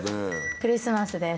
クリスマスです。